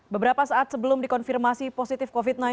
beberapa saat sebelum dikonfirmasi positif covid sembilan belas